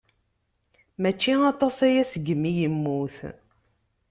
Mačči aṭas-aya seg mi yemmut.